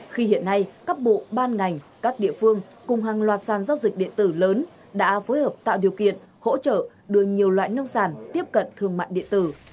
khi hiện nay các bộ ban ngành các địa phương cùng hàng loạt sàn giao dịch điện tử lớn đã phối hợp tạo điều kiện hỗ trợ đưa nhiều loại nông sản tiếp cận thương mại điện tử